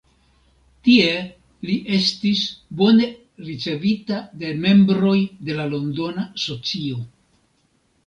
Tie li estis bone ricevita de membroj de la Londona socio.